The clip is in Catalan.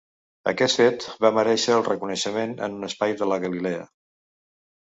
Aquest fet va merèixer el reconeixement en un espai de la galilea.